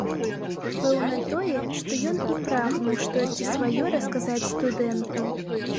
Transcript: Пэўна тое, што і ён прагнуў штосьці сваё расказаць студэнту.